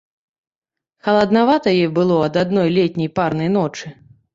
Халаднавата ёй было ад адной летняй, парнай ночы.